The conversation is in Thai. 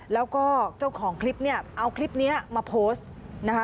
แล้วก็เจ้าของคลิปเนี่ยเอาคลิปนี้มาโพสต์นะคะ